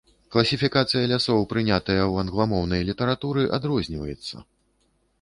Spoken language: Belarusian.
Класіфікацыя лясоў, прынятая ў англамоўнай літаратуры, адрозніваецца.